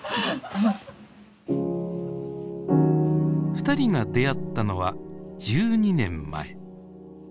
ふたりが出会ったのは１２年前。